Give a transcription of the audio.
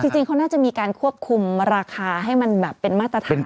จริงเขาน่าจะมีการควบคุมราคาให้มันแบบเป็นมาตรฐาน